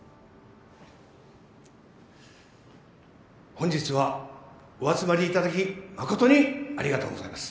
本日はお集まりいただきまことにありがとうございます。